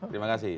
baik terima kasih